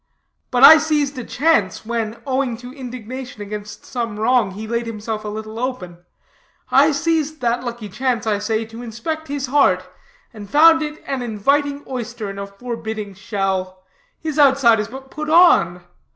But I seized a chance, when, owing to indignation against some wrong, he laid himself a little open; I seized that lucky chance, I say, to inspect his heart, and found it an inviting oyster in a forbidding shell. His outside is but put on.